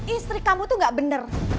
istri kamu tuh gak bener